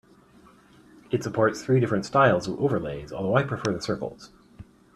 It supports three different styles of overlays, although I prefer the circles.